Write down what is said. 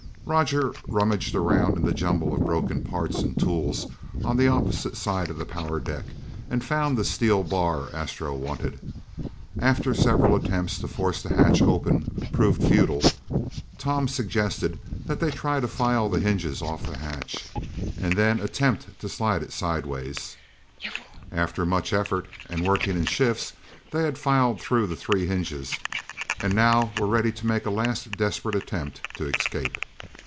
Roger rummaged around in the jumble of broken parts and tools on the opposite side of the power deck and found the steel bar Astro wanted. After several attempts to force the hatch open had proven futile, Tom suggested that they try to file the hinges off the hatch, and then attempt to slide it sideways. After much effort, and working in shifts, they had filed through the three hinges, and now were ready to make a last desperate attempt to escape.